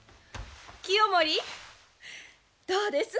清盛どうです？